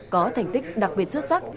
có thành tích đặc biệt xuất sắc